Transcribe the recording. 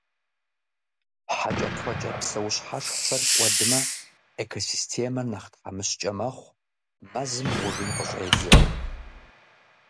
Хьэкӏэкхъуэкӏэ псэущхьэшххэр кӀуэдмэ, экосистемэр нэхъ тхьэмыщкӀэ мэхъу, мэзым гъужын къыщӀедзэ.